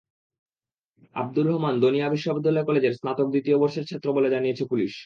আবদুর রহমান দনিয়া বিশ্ববিদ্যালয় কলেজের স্নাতক দ্বিতীয় বর্ষের ছাত্র বলে জানিয়েছে পুলিশ।